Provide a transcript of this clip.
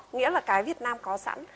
nghĩa là cái việt nam có sẵn